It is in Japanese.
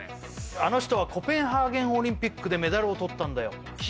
「あの人はコペンハーゲンオリンピックでメダルをとったんだよ」